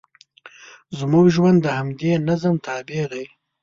زموږ ژوند د همدې نظم تابع دی.